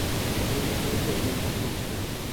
এই নামেই সে উপন্যাস লিখত।